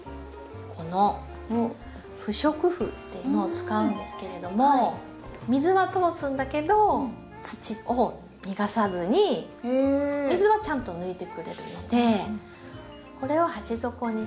この不織布っていうのを使うんですけれども水は通すんだけど土を逃がさずに水はちゃんと抜いてくれるのでこれを鉢底に敷くことで。